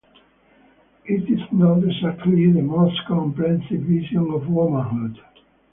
It’s not exactly the most comprehensive vision of womanhood.